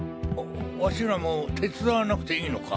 わしらも手伝わなくていいのか？